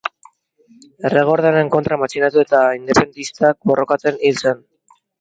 Erregeordearen kontra matxinatu eta independentistak borrokatzen hil zen.